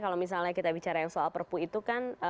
kalau misalnya kita bicara soal perpu itu kan